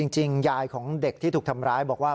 จริงยายของเด็กที่ถูกทำร้ายบอกว่า